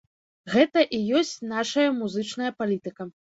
Гэта і ёсць нашая музычная палітыка.